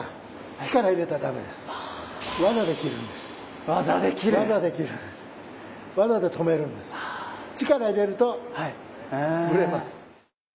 力入れるとぶれます。